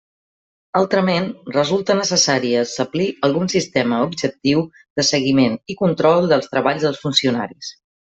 Altrament resulta necessari establir algun sistema objectiu de seguiment i control del treball dels funcionaris.